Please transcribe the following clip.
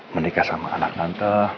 menikah sama anak tante